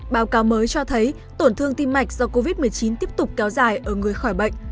báo cáo mới cho thấy tổn thương tim mạch do covid một mươi chín tiếp tục kéo dài ở người khỏi bệnh